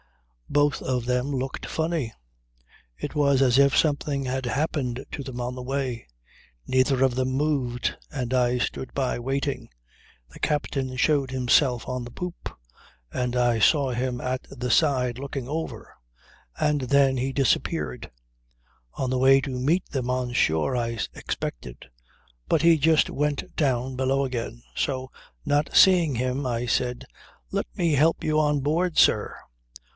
Both of them looked funny. It was as if something had happened to them on the way. Neither of them moved, and I stood by waiting. The captain showed himself on the poop; and I saw him at the side looking over, and then he disappeared; on the way to meet them on shore, I expected. But he just went down below again. So, not seeing him, I said: "Let me help you on board, sir."